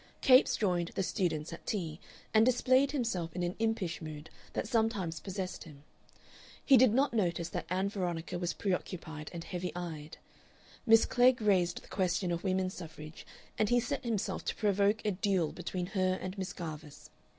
Capes joined the students at tea, and displayed himself in an impish mood that sometimes possessed him. He did not notice that Ann Veronica was preoccupied and heavy eyed. Miss Klegg raised the question of women's suffrage, and he set himself to provoke a duel between her and Miss Garvice.